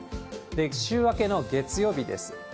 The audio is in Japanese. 週明けの月曜日です。